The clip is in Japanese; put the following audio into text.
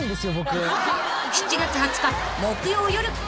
［７月２０日木曜夜］